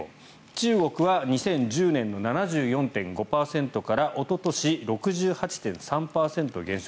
中国は２０１０年の７４．５％からおととし、６８．３％に減少。